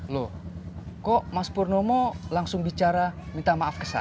loh kok mas purnomo langsung bicara minta maaf ke saya